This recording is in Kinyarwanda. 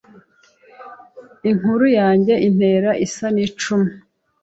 Inkuru yanjye Iteka isa n’ icumu